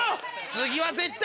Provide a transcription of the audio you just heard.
次は絶対。